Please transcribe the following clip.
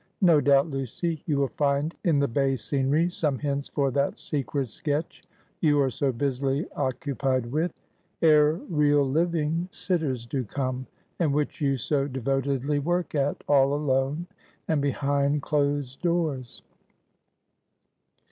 No doubt, Lucy, you will find in the bay scenery some hints for that secret sketch you are so busily occupied with ere real living sitters do come and which you so devotedly work at, all alone and behind closed doors."